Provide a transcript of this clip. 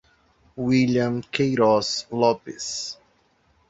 Willian Queiroz Lopes